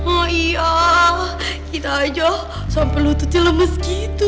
oh iya kita aja sampai lututnya lemes gitu